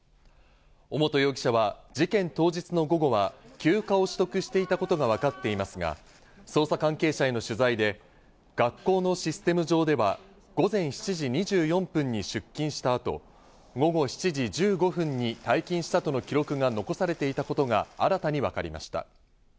尾本容疑者は事件当日の午後は休暇を取得していたことがわかっていますが、捜査関係者への取材で学校のシステム上では、午前７時２４分に出勤した後、午後７時１５分に退勤したとの記録が残されていたことが新たに分かりました。